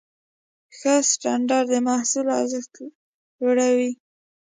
ښه سټنډرډ د محصول ارزښت لوړوي.